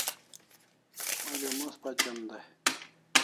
Onja mos pachem dai